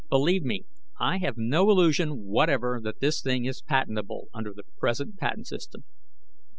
"Believe me, I have no illusion whatever that this thing is patentable under the present patent system.